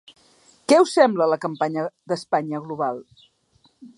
Què us sembla la campanya d’Espanya global?